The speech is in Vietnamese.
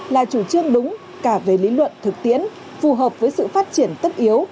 là chủ trương đúng cả về lý luận thực tiễn phù hợp với sự phát triển tất yếu